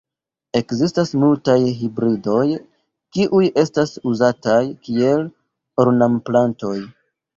Ekzistas multaj hibridoj, kiuj estas uzataj kiel ornamplantoj.